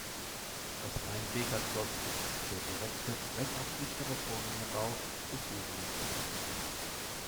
Das Reinbeker Schloss ist der direkte, wenn auch schlichtere, Vorgängerbau des Husumer Schlosses.